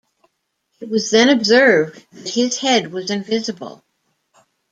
It was then observed that his head was invisible.